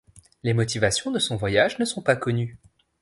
Les motivations de son voyage ne sont pas connues.